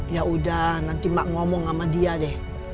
ya udah nanti mak ngomong sama dia deh